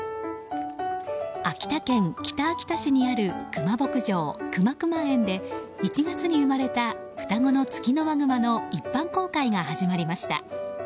秋田県北秋田市にあるクマ牧場で１月に生まれた双子のツキノワグマの一般公開が始まりました。